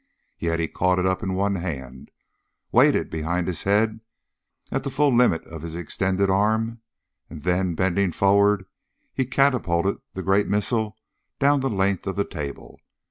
Yet he caught it up in one hand, weighed it behind his head at the full limit of his extended arm, and then, bending forward, he catapulted the great missile down the length of the table.